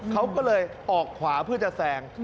เขาก็เลยออกขวาเพื่อจะแซง